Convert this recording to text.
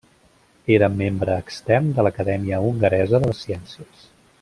Era membre extern de l'Acadèmia Hongaresa de les Ciències.